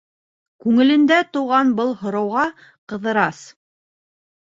Күңелендә тыуған был һорауға Ҡыҙырас: